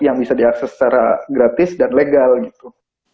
yang bisa diakses secara gratis dan legal gitu